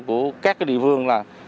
của các địa phương